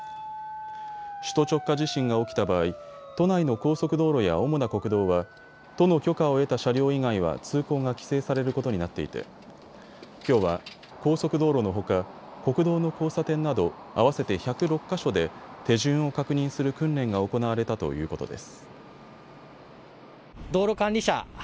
首都直下地震が起きた場合、都内の高速道路や主な国道は都の許可を得た車両以外は通行が規制されることになっていてきょうは高速道路のほか国道の交差点など合わせて１０６か所で手順を確認する訓練が行われたということです。